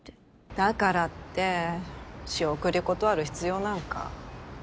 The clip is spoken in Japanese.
だからって仕送り断る必要なんか。